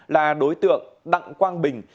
là đối tượng đặng quang bình